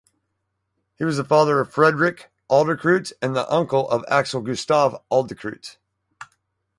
He was the father of Fredrik Adlercreutz and uncle of Axel Gustav Adlercreutz.